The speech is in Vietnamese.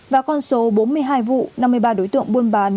và con số bốn mươi hai vụ năm mươi ba đối tượng buôn bán